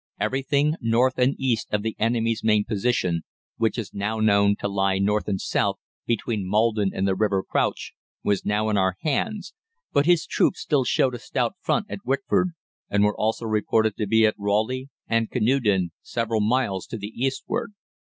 Everything north and east of the enemy's main position, which is now known to lie north and south, between Maldon and the river Crouch, was now in our hands, but his troops still showed a stout front at Wickford, and were also reported to be at Rayleigh, Hockley, and Canewdon, several miles to the eastward.